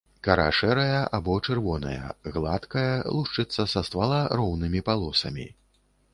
Кара шэрая або чырвоная, гладкая, лушчыцца са ствала роўнымі палосамі.